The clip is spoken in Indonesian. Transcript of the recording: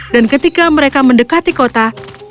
dan ketika mereka mendekati kota